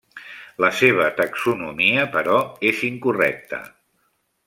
La seva taxonomia, però, és incorrecta.